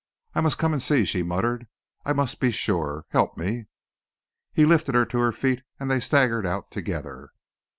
"I must come and see," she muttered. "I must be sure. Help me." He lifted her to her feet, and they staggered out together.